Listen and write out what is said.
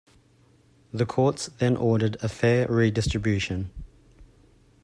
The courts then ordered a fair redistribution.